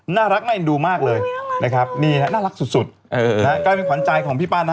น่ารักในดูมากเลยนะครับนี่นะน่ารักสุดนะครับใกล้เป็นขวัญใจของพี่ป้าน